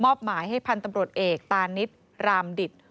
มอบหมายให้พันธุ์ตำรวจเอกตานิษฐ์รามดิษฐ์